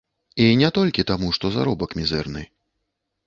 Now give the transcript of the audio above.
І не толькі таму, што заробак мізэрны.